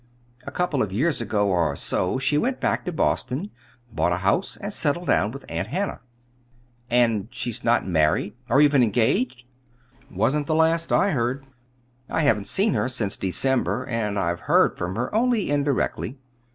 A couple of years ago, or so, she went back to Boston, bought a house and settled down with Aunt Hannah." "And she's not married or even engaged?" "Wasn't the last I heard. I haven't seen her since December, and I've heard from her only indirectly.